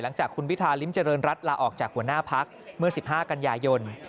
หลังจากคุณพิธาริมเจริญรัฐลาออกจากหัวหน้าพักเมื่อ๑๕กันยายน